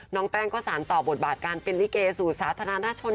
น้องแป้งก็สารต่อบทบาทการเป็นลิเกสู่สาธารณชน